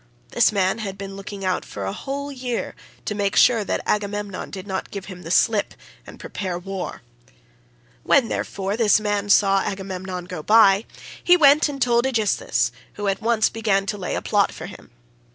This man had been looking out for a whole year to make sure that Agamemnon did not give him the slip and prepare war; when, therefore, this man saw Agamemnon go by, he went and told Aegisthus, who at once began to lay a plot for him.